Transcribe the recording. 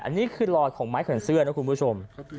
อันนี้คือรอยของไม้ขนเสื้อนะคุณผู้ชม